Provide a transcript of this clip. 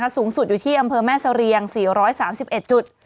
สูงสุดอยู่ที่อำเภอแม่เสรียง๔๓๑จุด